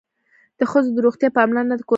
د ښځو د روغتیا پاملرنه د کورنۍ روغتیا ده.